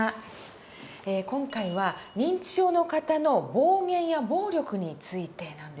今回は認知症の方の暴言や暴力についてなんですが。